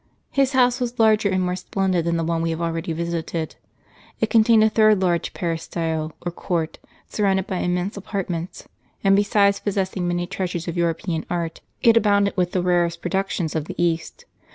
His house was larger and more splendid than the one we have already visited. It contained a third large peristyle, or court, surrounded by immense apartments ; and 'besides possessing many treasures of European art, it abounded with the rarest i^roductions of the East.